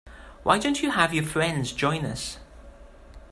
Why don't you have your friends join us?